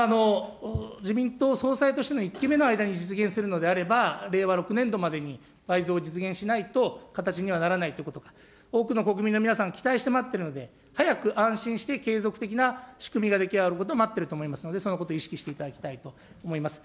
自民党総裁としての１期目の間に実現するのであれば、令和６年度までに倍増を実現しないと、形にはならないということが、国民の皆さんが期待して待ってるので、早く安心して継続的な仕組みが出来上がることを待っていると思いますので、そのことを意識していただきたいと思います。